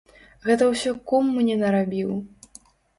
Гэта ўсё кум мне нарабіў!